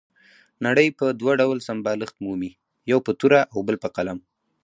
نړۍ په دوه ډول سمبالښت مومي، یو په توره او بل په قلم.